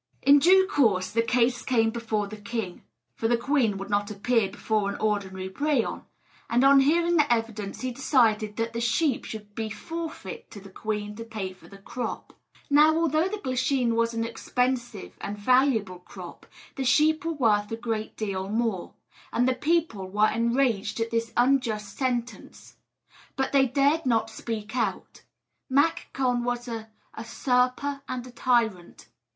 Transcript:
In due course the case came before the king (for the queen would not appear before an ordinary brehon), and on hearing the evidence he decided that the sheep should be forfeit to the queen to pay for the crop. Now, although the glasheen was an expensive and valuable crop, the sheep were worth a great deal more; and the people were enraged at this unjust sentence; but they dared not speak out, for Mac Con was a usurper and a tyrant.